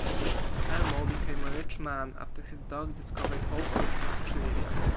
Elmo became a rich man after his dog discovered opals in Australia.